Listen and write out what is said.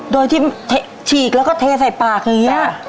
โดยที่ฉีกแล้วก็เทใส่ปากอย่างนี้